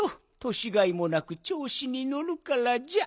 年がいもなくちょうしにのるからじゃ。